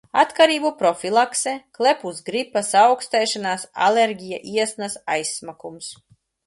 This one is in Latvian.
Atkarību profilakse. Klepus, gripa, saaukstēšanās, alerģija, iesnas, aizsmakums.